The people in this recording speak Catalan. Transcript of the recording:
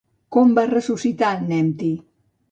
Com va ressuscitar Nemti?